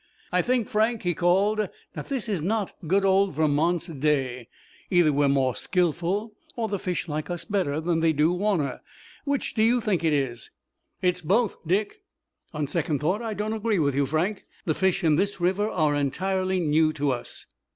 "I think, Frank," he called, "that this is not good old Vermont's day. Either we're more skillful or the fish like us better than they do Warner. Which do you think it is?" "It's both, Dick." "On second thought, I don't agree with you, Frank. The fish in this river are entirely new to us.